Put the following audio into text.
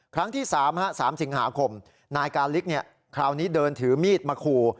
ครั้งที่๓๓สิงหาคมนายกาลิกคราวนี้เดินถือมีดมาขู่